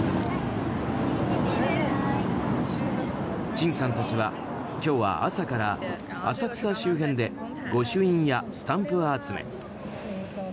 チンさんたちは今日は朝から浅草周辺で御朱印やスタンプ集め。